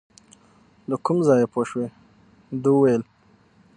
له کوم ځایه پوه شوې، ده ویل .